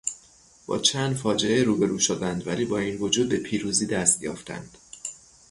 با چند فاجعه روبرو شدند ولی با این وجود به پیروزی دست یافتند.